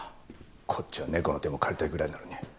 こっちは猫の手も借りたいぐらいなのに。